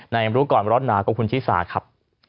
ในรู้ก่อนรถหนาขอบคุณชิสาครับ